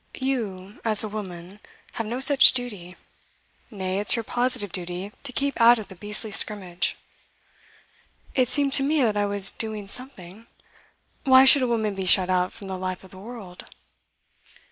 You, as a woman, have no such duty; nay, it's your positive duty to keep out of the beastly scrimmage.' 'It seemed to me that I was doing something. Why should a woman be shut out from the life of the world?